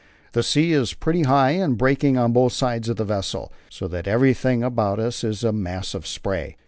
The sea is pretty high and breaking on both sides of the vessel, so that everything about us is a mass of spray.